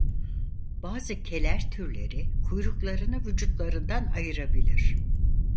Bazı keler türleri kuyruklarını vücutlarından ayırabilir.